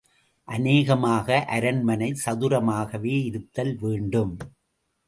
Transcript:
அநேகமாக அரண்மனை சதுரமாகவே இருத்தல் வேண்டும்.